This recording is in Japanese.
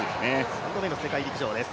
３度目の世界陸上です。